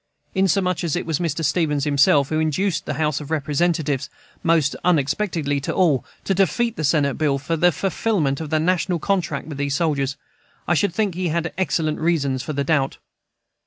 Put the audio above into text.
Inasmuch as it was Mr. Stevens himself who induced the House of Representatives, most unexpectedly to all, to defeat the Senate bill for the fulfillment of the national contract with these soldiers, I should think he had excellent reasons for the doubt.